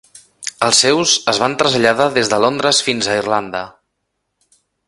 Els seus es van traslladar des de Londres fins a Irlanda.